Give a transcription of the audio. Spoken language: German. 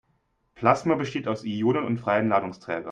Plasma besteht aus Ionen und freien Ladungsträgern.